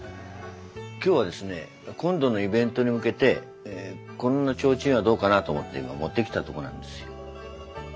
今日はですね今度のイベントに向けてこんな提灯はどうかなと思って今持ってきたとこなんですよ。